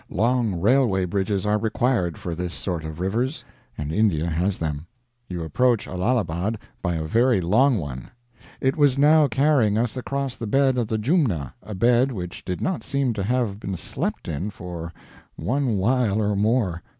Long railway bridges are required for this sort of rivers, and India has them. You approach Allahabad by a very long one. It was now carrying us across the bed of the Jumna, a bed which did not seem to have been slept in for one while or more.